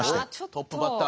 トップバッター。